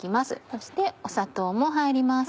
そして砂糖も入ります。